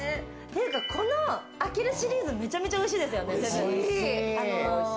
この開けるシリーズめちゃめちゃ美味しいですよね。